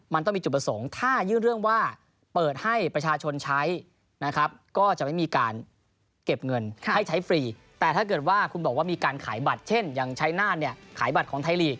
มันต้องมีจุดประสงค์